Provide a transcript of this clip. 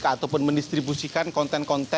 ataupun mendistribusikan konten konten